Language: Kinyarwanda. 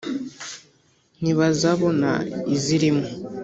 Ntibazabona izirimo